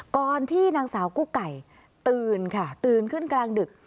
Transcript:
ก่อนที่นางสาวกุ๊กไก่ตื่นค่ะตื่นขึ้นกลางดึก